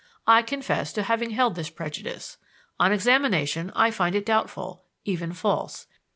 I confess to having held this prejudice. On examination, I find it doubtful, even false.